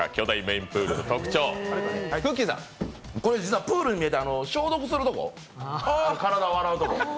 実はプールに見えて消毒するところ、体を洗うところ。